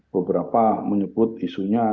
beberapa menyebut isunya